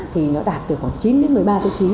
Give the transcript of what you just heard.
thì nó đạt từ khoảng chín đến một mươi ba tiêu chí